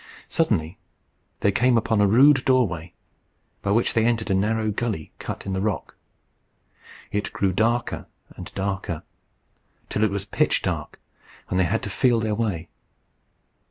Suddenly they came upon a rude doorway, by which they entered a narrow gallery cut in the rock. It grew darker and darker, till it was pitch dark, and they had to feel their way.